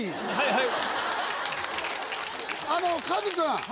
はい。